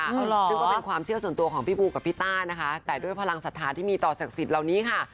ซึ่งก็เป็นความเชื่อส่วนตัวของพี่บูกับพี่ต้านะคะแต่ด้วยพลังศรัทธาที่มีต่อศักดิ์สิทธิ์เหล่านี้ค่ะ